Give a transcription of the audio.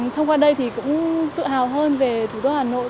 thông qua đây thì cũng tự hào hơn về thủ đô hà nội